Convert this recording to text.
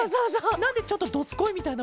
なんでちょっと「どすこい！」みたいな。